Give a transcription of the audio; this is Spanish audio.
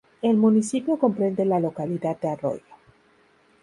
El municipio comprende la localidad de Arroyo.